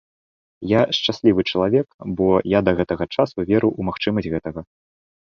Я шчаслівы чалавек, бо я да гэтага часу веру ў магчымасць гэтага.